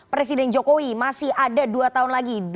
presiden jokowi masih ada dua tahun lagi